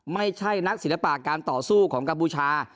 ไม่ใช่นักศิลปะการต่อสู้ของกัมพูชา